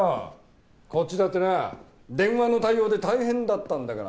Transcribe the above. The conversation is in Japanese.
こっちだってな電話の対応で大変だったんだから。